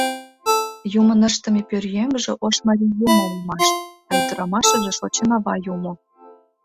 Юмын ыштыме пӧръеҥже Ош Марий Юмо улмаш, а ӱдырамашыже — Шочынава Юмо.